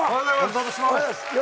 ご無沙汰してます。